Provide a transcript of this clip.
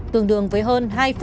tương đương với hơn